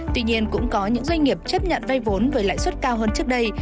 tuy nhiên cũng có những doanh nghiệp chấp nhận vay vốn với lãi suất cao hơn trước đây